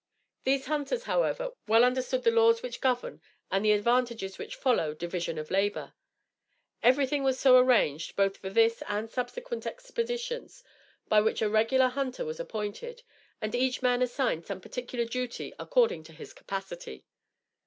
These hunters, however, well understood the laws which govern and the advantages which follow division of labor. Everything was so arranged, both for this and subsequent expeditions, by which a regular hunter was appointed, and each man assigned some particular duty according to his capacity.